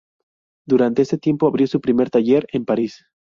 Durante este tiempo abrió su primer taller en París.